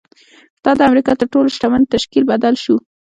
دا د امریکا تر تر ټولو شتمن تشکیل بدل شو